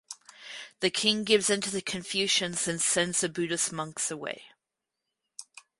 The king gives in to the Confucians and sends the Buddhist monks away.